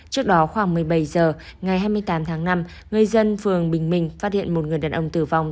trước đó khoảng một mươi bảy h ngày hai mươi tám tháng năm người dân phường bình minh phát hiện một người đàn ông tử vong